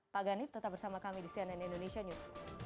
pak ganip tetap bersama kami di cnn indonesia news